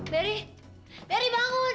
beri beri bangun